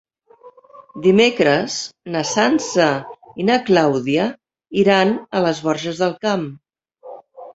Dimecres na Sança i na Clàudia iran a les Borges del Camp.